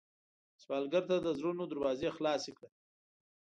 سوالګر ته د زړونو دروازې خلاصې کړه